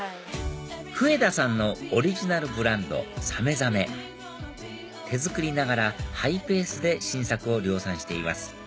笛田さんのオリジナルブランドＳＡＭＥＺＡＭＥ手作りながらハイペースで新作を量産しています